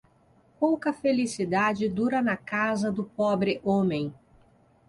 Pouca felicidade dura na casa do pobre homem.